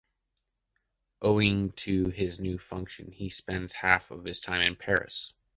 Owing to this new function, he spends half of his time in Paris.